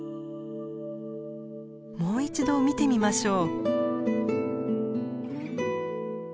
もう一度見てみましょう。